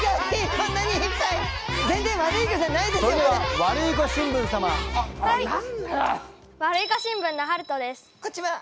こんちは！